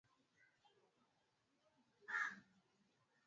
hawaridhishwi na uzingatiaji maswala ya kiimani Nchini Uingereza